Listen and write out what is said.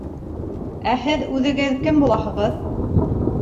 — Ә һеҙ үҙегеҙ кем булаһығыҙ?